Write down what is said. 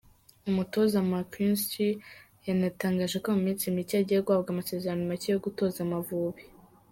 Umutoza Mckinstry yanatangaje ko mu minsi mike agiye guhabwa amasezerano mashya yo gutoza Amavubi.